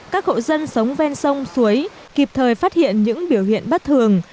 các hộ dân sống ven sông suối kịp thời phát hiện những biểu hiện bất thường